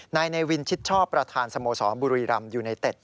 นายเนวินชิดชอบประธานสโมสรบุรีรำยูไนเต็ด